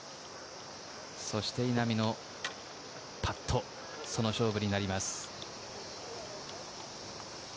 そして稲見のパット、その勝負になります。